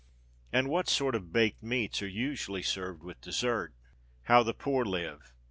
And what sort of "baked meats" are usually served with desert? _How the Poor Live.